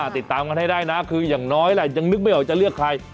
ติดตามกันให้ได้นะคืออย่างน้อยแหละยังนึกไม่ออกจะเลือกใคร